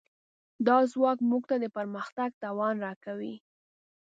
دا ځواک موږ ته د پرمختګ توان راکوي.